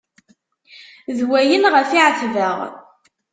D wayen ɣef̣ i ɛetbeɣ.